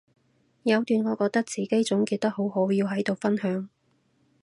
有段我覺得自己總結得好好要喺度分享